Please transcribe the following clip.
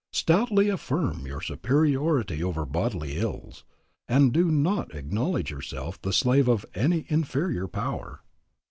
Stoutly affirm your superiority over bodily ills, and do not acknowledge yourself the slave of any inferior power.